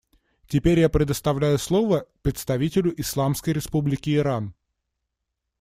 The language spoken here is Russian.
Теперь я предоставляю слово представителю Исламской Республики Иран.